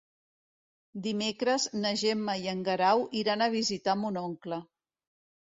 Dimecres na Gemma i en Guerau iran a visitar mon oncle.